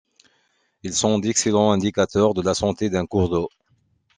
Ils sont d'excellents indicateurs de la santé d'un cours d'eau.